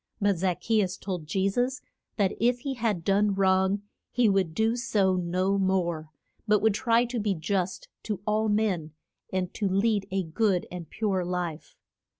But Zac che us told Je sus that if he had done wrong he would do so no more, but would try to be just to all men and to lead a good and pure life.